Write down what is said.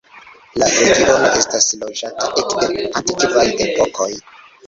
La regiono estas loĝata ekde antikvaj epokoj.